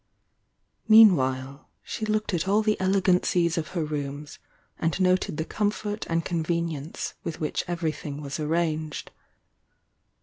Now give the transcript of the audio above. Mean while she looked at all the elegancies of her rooms, and noted the comfort and convenience with which everything was arranged.